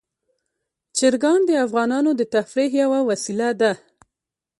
چرګان د افغانانو د تفریح یوه وسیله ده.